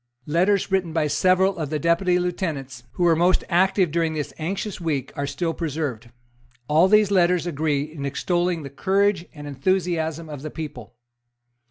Letters written by several of the Deputy Lieutenants who were most active during this anxious week are still preserved. All these letters agree in extolling the courage and enthusiasm of the people.